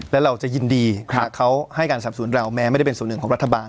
และเราจะยินดีเขาให้การสับสนเราแม้ไม่ได้เป็นส่วนหนึ่งของรัฐบาล